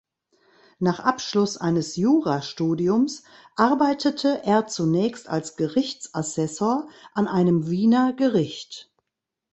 Nach Abschluss eines Jurastudiums arbeitete er zunächst als Gerichtsassessor an einem Wiener Gericht.